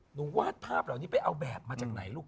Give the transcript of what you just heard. วาดภาพเหล่านี้ไปเอาแบบมาจากไหนลูก